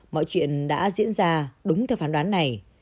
mọi chuyện đã diễn ra đúng theo phán đoán này